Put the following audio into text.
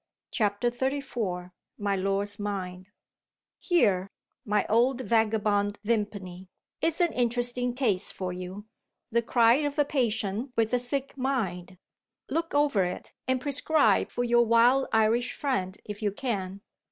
CHAPTER XXXIV MY LORD'S MIND HERE, my old vagabond Vimpany, is an interesting case for you the cry of a patient with a sick mind. Look over it, and prescribe for your wild Irish friend, if you can.